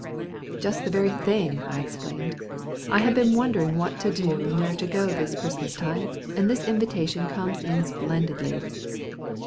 "Just the very thing," I exclaimed. "I had been wondering what to do and where to go this Christmas time, and this invitation comes in splendidly."